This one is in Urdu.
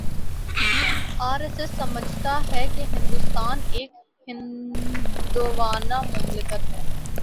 آر ایس ایس سمجھتا ہے کہ ہندوستان ایک ہندووانہ مملکت ہے